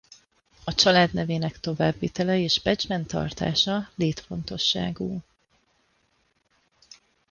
A család nevének továbbvitele és becsben tartása létfontosságú.